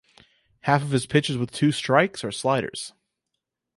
Half of his pitches with two strikes are sliders.